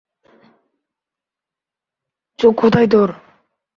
চোখ কোথায় তোর?